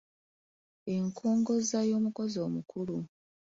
Enkongozza y’omukozzi omukulu